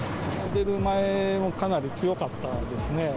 出る前もかなり強かったですね。